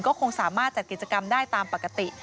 ก็คงสามารถจัดกิจกรรมได้ตามปกติ